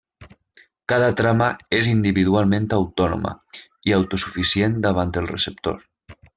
Cada trama és individualment autònoma i autosuficient davant el receptor.